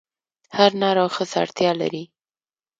هر نر او ښځه اړتیا لري.